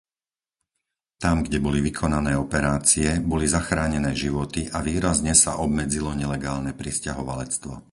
Tam, kde boli vykonané operácie, boli zachránené životy a výrazne sa obmedzilo nelegálne prisťahovalectvo.